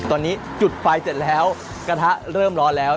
ตอนนี้จุดไฟเสร็จแล้วกระทะเริ่มร้อนแล้ว